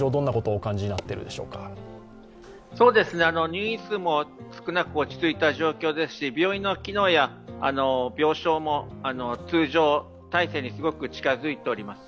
入院数も少なく落ち着いた状況ですし病院の機能や病床も通常体制にすごく近づいております。